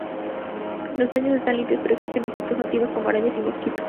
Los baños están limpios, pero existen insectos nativos como arañas y mosquitos.